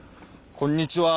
こんにちは。